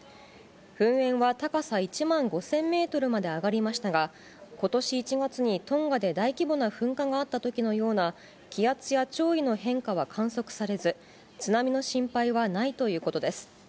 噴煙は高さ１万５０００メートルまで上がりましたが、ことし１月にトンガで大規模な噴火があったときのような、気圧や潮位の変化は観測されず、津波の心配はないということです。